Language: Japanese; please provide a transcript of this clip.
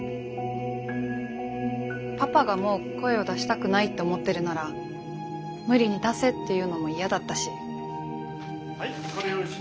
パパがもう声を出したくないって思ってるなら無理に出せって言うのも嫌だったし。